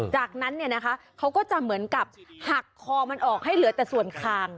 จากนั้นเนี่ยนะคะเขาก็จะเหมือนกับหักคอมันออกให้เหลือแต่ส่วนคาง